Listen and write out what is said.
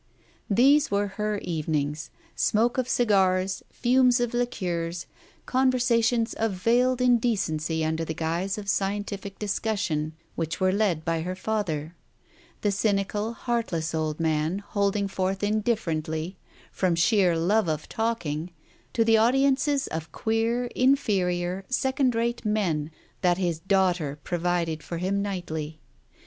These were her evenings, smoke of cigars, fumes of liqueurs, conversations of veiled indecency under the guise of scientific discussion, which were led by her father; the cynical, heartless old man, holding forth indifferently, from sheer love of talking, to the audi ences of queer, inferior, second rate men that his daughter provided for him nightly.